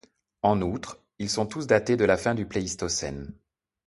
En outre, ils sont tous datés de la fin du Pléistocène.